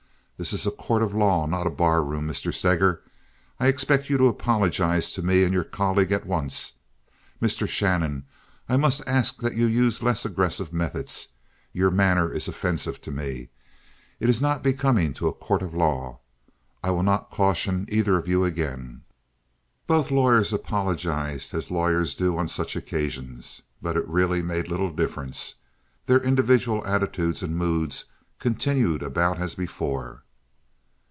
This is a court of law, not a bar room. Mr. Steger, I expect you to apologize to me and your colleague at once. Mr. Shannon, I must ask that you use less aggressive methods. Your manner is offensive to me. It is not becoming to a court of law. I will not caution either of you again." Both lawyers apologized as lawyers do on such occasions, but it really made but little difference. Their individual attitudes and moods continued about as before.